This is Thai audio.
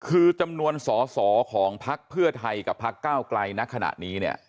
คือจำนวนสอสอของพักเพื่อไทยกับพักก้าวไกลณขณะนี้เนี่ย